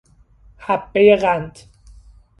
حبهی قند